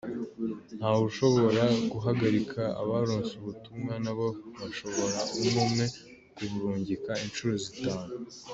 Ntawushobora guhagarika abaronse ubutumwa nabo bashobora umwumwe kuburungika incuro zitanu.